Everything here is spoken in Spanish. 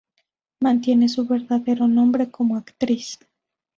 Mantiene su verdadero nombre como actriz.